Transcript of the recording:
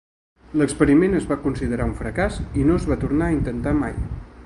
L'experiment es va considerar un fracàs i no es va tornar a intentar mai.